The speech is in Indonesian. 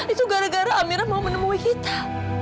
itu gara gara amira mau menemui kita